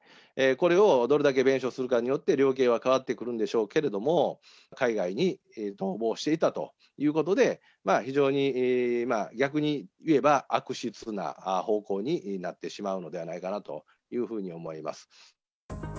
これをどれだけ弁償するかによって量刑は変わってくるんでしょうけれども、海外に逃亡していたということで、非常に、逆に言えば悪質な方向になってしまうのではないかなというふうに思います。